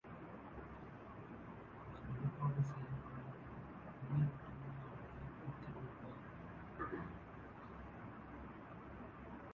அவர் வழிபாடு செய்யுங் காலங்களில் தூய வெள்ளிய ஆடையை உடுத்திக் கொள்வர்.